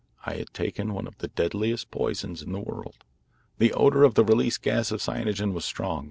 I had taken one of the deadliest poisons in the world. The odour of the released gas of cyanogen was strong.